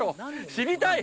知りたい！